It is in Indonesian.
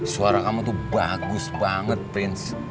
suara kamu tuh bagus banget prince